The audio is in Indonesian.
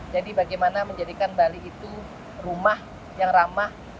jadi bagaimana menjadikan bali itu rumah yang ramah